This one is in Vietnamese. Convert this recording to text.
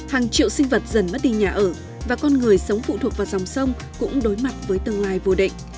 hàng triệu sinh vật dần mất đi nhà ở và con người sống phụ thuộc vào dòng sông cũng đối mặt với tương lai vô định